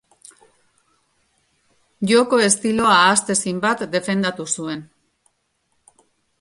Joko estilo ahaztezin bat defendatu zuen.